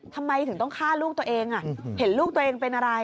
ทำไมถึงต้องฆ่าลูกตัวเองเห็นลูกตัวเองเป็นอะไร